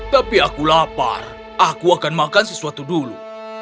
tapi aku lapar aku akan makan sesuatu dulu